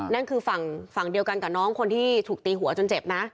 นั่นคือฝั่งเดียวกันกับน้องคนที่ถูกตีหัวจนเจ็บนะ